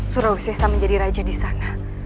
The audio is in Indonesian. surauk sessa menjadi raja disana